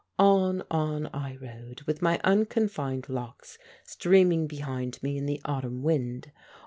On, on I rode with my unconfined locks streaming behind me in the autumn wind.